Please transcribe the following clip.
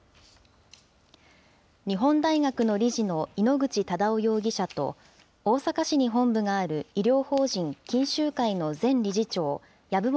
日本大学の理事の井ノ口忠男容疑者と、大阪市に本部がある医療法人錦秀会の前理事長、籔本